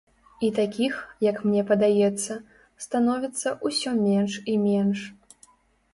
І такіх, як мне падаецца, становіцца ўсё менш і менш.